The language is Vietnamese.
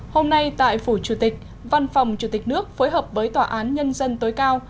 hôm nay tại phủ chủ tịch văn phòng chủ tịch nước phối hợp với tòa án nhân dân tối cao